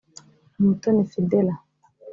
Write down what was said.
Umutoni Fidela